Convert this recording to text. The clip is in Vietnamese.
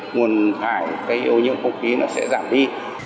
nguồn thải cái ổn nhẫn không khí nó sẽ giảm đi